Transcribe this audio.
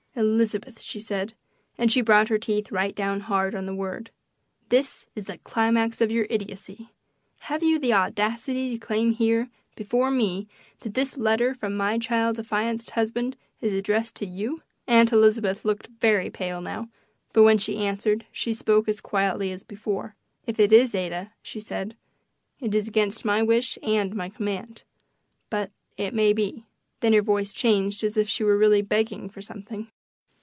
"Elizabeth," she said, and she brought her teeth right down hard on the word, "this is the climax of your idiocy. Have you the audacity to claim here, before me, that this letter from my child's affianced husband is addressed to you?" Aunt Elizabeth looked very pale now, but when she answered she spoke as quietly as before. "If it is, Ada," she said, "it is against my wish and my command. But it may be." Then her voice changed as if she were really begging for something.